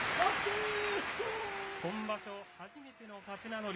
今場所、初めての勝ち名乗り。